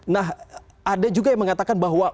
nah ada juga yang mengatakan bahwa